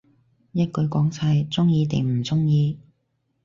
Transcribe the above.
一句講晒，鍾意定唔鍾意